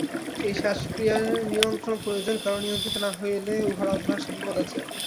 এই শ্বাস-ক্রিয়ার নিয়ন্ত্রণ প্রয়োজন, কারণ নিয়ন্ত্রিত না হইলে উহার অভ্যাসে বিপদ আছে।